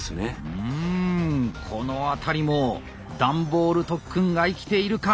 うんこの辺りも段ボール特訓が生きているか？